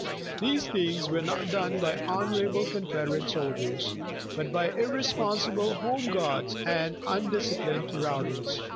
These things were not done by honorable Confederate soldiers, but by irresponsible home guards and undisciplined rowdies.